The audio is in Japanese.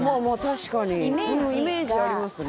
確かにイメージありますね